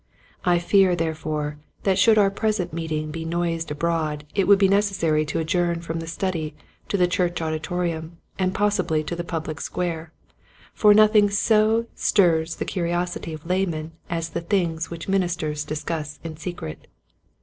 I fear therefore that should our present meeting be noised abroad it would be necessary to adjourn from the study to the church auditorium and possi bly to the public square : for nothing so stirs the curiosity of laymen as the things which ministers discuss in secret.